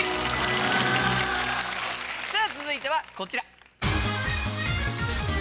さぁ続いてはこちら。